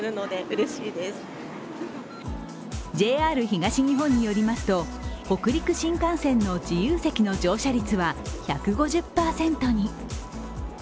ＪＲ東日本によりますと北陸新幹線の自由席の乗車率は１５０％に。